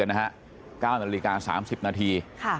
๙นาฬิกา๓๐นาที